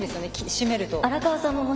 閉めると。